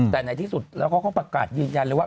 แต่ในที่สุดแล้วเขาก็ประกาศยืนยันเลยว่า